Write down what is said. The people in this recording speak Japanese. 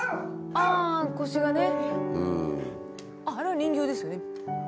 あれは人形ですね。